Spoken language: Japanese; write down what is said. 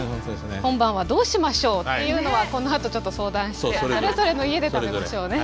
今晩はどうしましょうっていうのはこのあとちょっと相談してそれぞれの家で食べましょうね。